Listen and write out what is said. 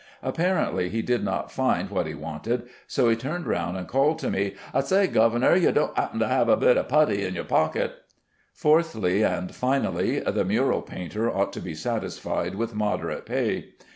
Apparently he did not find what he wanted, so he turned round and called to me, "I say, governor, you don't happen to have a bit of putty in your pocket?" Fourthly and finally, the mural painter ought to be satisfied with moderate pay.